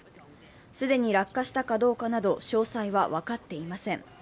既に落下したかどうかなど詳細はわかっていません。